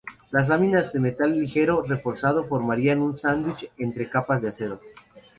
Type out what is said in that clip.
Las láminas de metal ligero reforzado formarían un sándwich entre capas de acero.